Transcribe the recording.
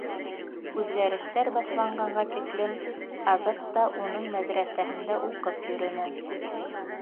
Үҙгәрештәр башланғанға тиклем Азат та уның мәҙрәсәһендә уҡып йөрөнө.